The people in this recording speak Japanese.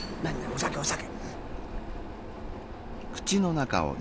お酒お酒」。